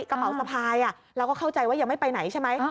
กระเป๋าสะพายเราก็เข้าใจว่ายังไม่ไปไหนใช่ไหม